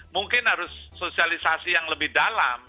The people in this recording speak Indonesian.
mungkin harus sosialisasi yang lebih dalam